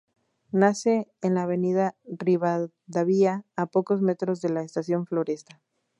Nace en la Avenida Rivadavia a pocos metros de la estación Floresta.